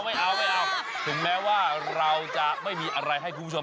ไม่เอาไม่เอาถึงแม้ว่าเราจะไม่มีอะไรให้คุณผู้ชม